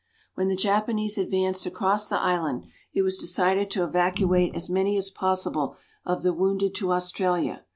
When the Japanese advanced across the island, it was decided to evacuate as many as possible of the wounded to Australia.